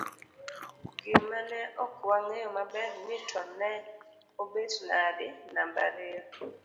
gimane ok wang'eyo maber ni to ne obet nadi namba ariyo